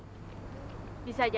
seperti juga sophie dan gilang